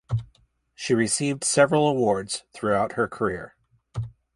She received several awards throughout her career.